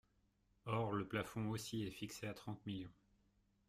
Or, le plafond aussi est fixé à trente millions.